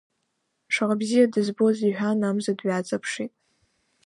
Шаҟа бзиа дызбооз, — иҳәан, амза дҩаҵаԥшит.